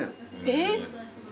えっ？